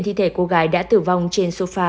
thi thể cô gái đã tử vong trên sofa